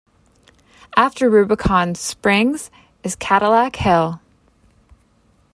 After Rubicon Springs is Cadillac Hill.